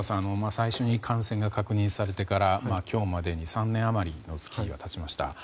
最初に感染が確認されてから今日までに３年余りの月日が経ちました。